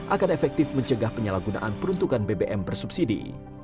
akan efektif mencegah penyalahgunaan peruntukan bbm bersubsidi